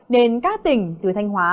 nên các tỉnh từ thanh hóa